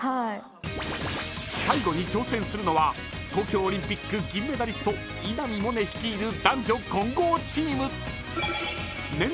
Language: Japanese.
［最後に挑戦するのは東京オリンピック銀メダリスト稲見萌寧率いる男女混合チーム］